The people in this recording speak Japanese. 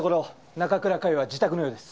中倉佳世は自宅のようです。